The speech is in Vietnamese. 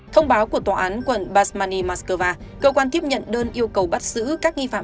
thông báo của tòa án quận basmani moscow cơ quan tiếp nhận đơn yêu cầu bắt giữ các nghi phạm